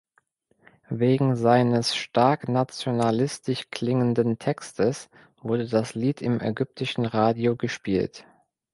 Wegen seines stark nationalistisch klingenden Textes wurde das Lied im ägyptischen Radio gespielt.